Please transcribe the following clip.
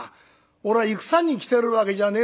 俺は戦に来てるわけじゃねえぞ。